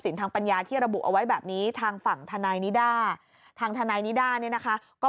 ทางปัญญาที่ระบุเอาไว้แบบนี้ทางฝั่งทนายนิด้าทางทนายนิด้าเนี่ยนะคะก็